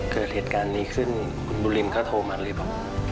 เกิดเหตุการณ์นี้ขึ้นบุริมม์เขาโทรมาเลยกัน